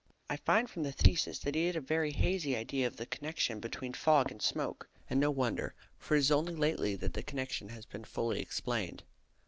I find from the thesis that he had a very hazy idea of the connection between fog and smoke; and no wonder, for it is only lately that the connection has been fully explained.